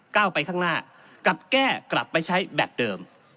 ก้าวไปข้างหน้ากลับแก้กลับไปใช้แบบเดิม